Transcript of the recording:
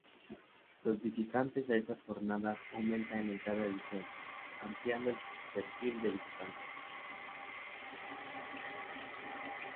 Los visitantes a estas jornadas aumentan en cada edición, ampliando el perfil del visitante.